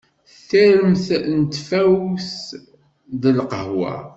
Tirmt n tfawt d lqhwa.